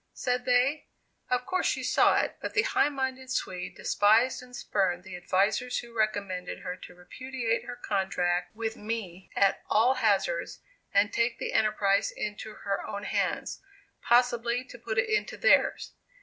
said they; of course she saw it, but the high minded Swede despised and spurned the advisers who recommended her to repudiate her contract with me at all hazards, and take the enterprise into her own hands possibly to put it into theirs.